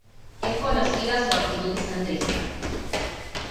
Es conocida su actitud centrista.